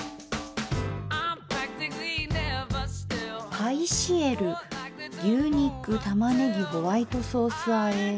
「パイシエル牛肉玉ねぎホワイトソース和え」。